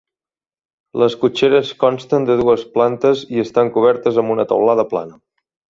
Les cotxeres consten de dues plantes i estan cobertes amb una teulada plana.